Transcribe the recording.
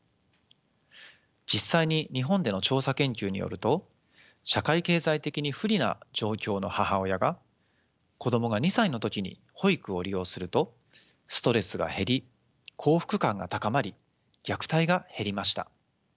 実際に日本での調査研究によると社会経済的に不利な状況の母親が子どもが２歳の時に保育を利用するとストレスが減り幸福感が高まり虐待が減りました。